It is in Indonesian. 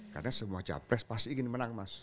karena semua capres pasti ingin menang mas